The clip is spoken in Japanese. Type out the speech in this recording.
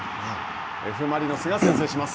Ｆ・マリノスが先制します。